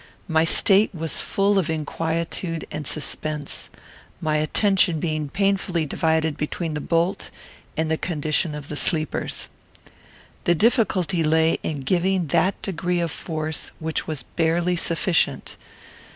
My state was full of inquietude and suspense; my attention being painfully divided between the bolt and the condition of the sleepers. The difficulty lay in giving that degree of force which was barely sufficient.